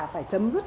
phải chấm dứt